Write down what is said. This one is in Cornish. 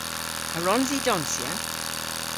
A wrons i donsya?